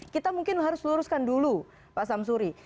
kita mungkin harus luruskan dulu pak samsuri